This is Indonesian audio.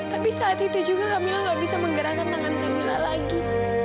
tapi saat itu juga camilla gak bisa menggerakkan tangan kamilla lagi